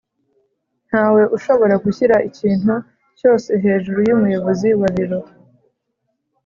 ntawe ushobora gushyira ikintu cyose hejuru yumuyobozi wa biro